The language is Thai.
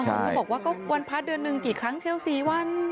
บางคนก็บอกว่าวันพระเดือนหนึ่งกี่ครั้งเชลสีวัน